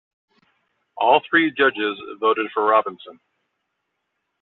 All three judges voted for Robinson.